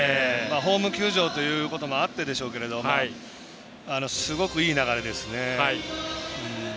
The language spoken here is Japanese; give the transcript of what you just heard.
ホーム球場というところもあってでしょうけどすごくいい流れですね。